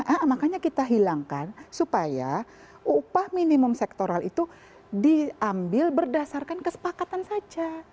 nah makanya kita hilangkan supaya upah minimum sektoral itu diambil berdasarkan kesepakatan saja